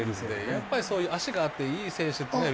やっぱりそういう足があっていい選手っていうのは。